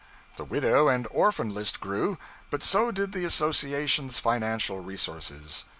The widow and orphan list grew, but so did the association's financial resources.